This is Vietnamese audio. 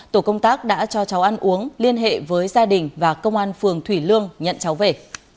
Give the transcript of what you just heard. tổ công tác đã cho cháu ăn uống liên hệ với gia đình và công an phường thủy lương nhận cháu về